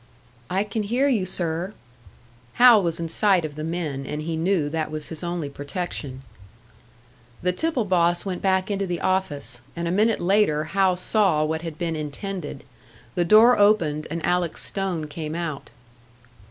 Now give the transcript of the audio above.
"I can hear you, sir." Hal was in sight of the men, and he knew that was his only protection. The tipple boss went back into the office; and a minute later Hal saw what had been intended. The door opened and Alec Stone came out.